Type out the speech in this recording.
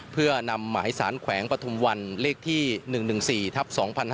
เพื่อนำหมายสารแขวงปฐุมวันเลขที่๑๑๔ทับ๒๕๕๙